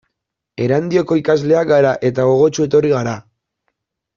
Erandioko ikasleak gara eta gogotsu etorri gara.